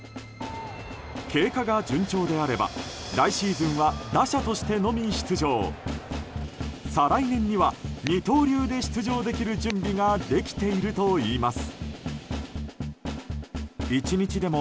経過が順調であれば来シーズンは打者としてのみ出場再来年には二刀流で出場できる準備ができているといいます。